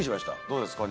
どうですか？